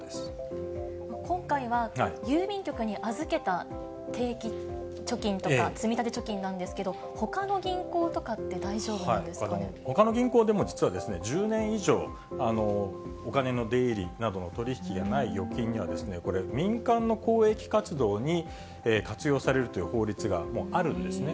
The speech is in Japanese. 今回は郵便局に預けた定期貯金とか、積み立て貯金なんですけれども、ほかの銀行とかって大丈夫なんでほかの銀行でも、実は１０年以上お金の出入りなどの取り引きがない預金には、これ、民間の公益活動に活用されるという法律があるんですね。